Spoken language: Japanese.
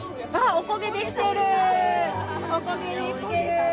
おこげできてる！